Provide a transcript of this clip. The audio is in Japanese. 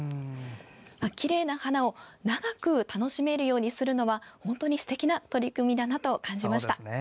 きれいな花を長く楽しめるようにするのは本当にすてきな取り組みだなと感じました。